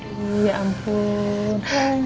aduh ya ampun